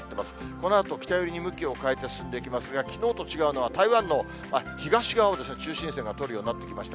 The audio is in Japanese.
このあと北寄りに向きを変えて進んでいきますが、きのうと違うのは台湾の東側を中心線が通るようになってきました。